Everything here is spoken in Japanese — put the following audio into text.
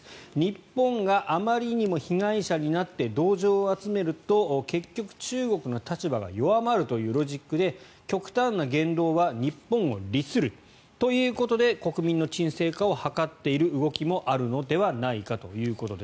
日本があまりにも被害者になって同情を集めると結局、中国の立場が弱まるというロジックで極端な言動は日本を利するということで国民の鎮静化を図っている動きもあるのではないかということです。